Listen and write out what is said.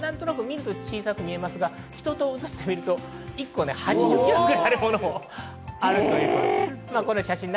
小さく見えますが、人と映ってみますと１個８０ｋｇくらいあるものもあるということです。